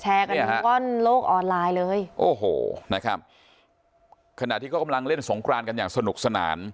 กันว่อนโลกออนไลน์เลยโอ้โหนะครับขณะที่เขากำลังเล่นสงครานกันอย่างสนุกสนาน